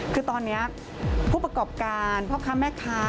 คือตอนนี้ผู้ประกอบการพ่อค้าแม่ค้า